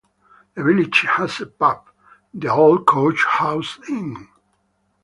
The village has a pub, the Olde Coach House Inn.